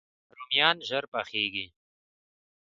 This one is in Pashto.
رومیان ژر پخیږي